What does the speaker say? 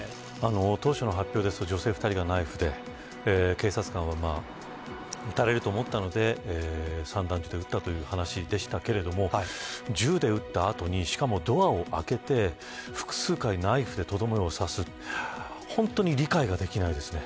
当初の発表ですと女性２人がナイフで警察官は、撃たれると思ったので散弾銃で撃ったという話でしたが銃で撃った後にドアを開けて複数回ナイフでとどめを刺す本当に理解ができないです。